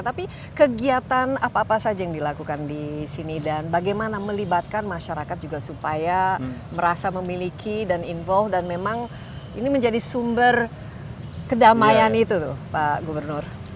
tapi kegiatan apa apa saja yang dilakukan di sini dan bagaimana melibatkan masyarakat juga supaya merasa memiliki dan involve dan memang ini menjadi sumber kedamaian itu pak gubernur